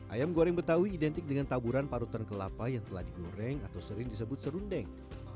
ayam goreng betawi identik dengan taburan parutan kelapa yang telah digoreng atau sering disebut serundeng